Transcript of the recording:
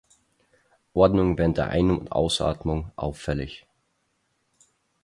Ordnung während der Ein- und Ausatmung auffällig.